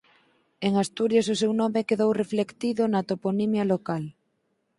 En Asturias o seu nome quedou reflectido na toponimia local.